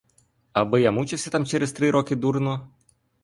Аби я мучився там через три роки дурно?